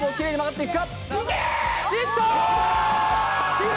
いった！